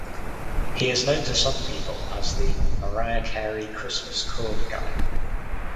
He is known to some people as the "Mariah Carey Christmas chord guy".